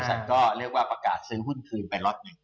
ฉันก็เรียกว่าประกาศซื้อหุ้นคืนไปล็อตหนึ่ง